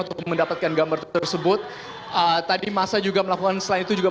untuk mendapatkan gambar tersebut tadi masa juga melakukan selain itu juga